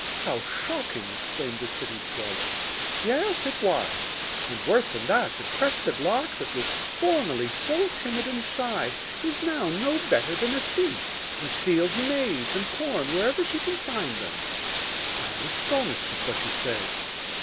'How shocking!' exclaimed the city swallow. 'Yes, it was. And worse than that, the crested lark, that was formerly so timid and shy, is now no better than a thief, and steals maize and corn whenever she can find them.' 'I am astonished at what you say.